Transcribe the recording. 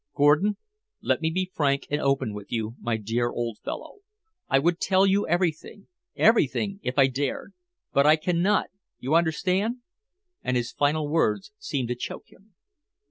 "Gordon, let me be frank and open with you, my dear old fellow. I would tell you everything everything if I dared. But I cannot you understand!" And his final words seemed to choke him.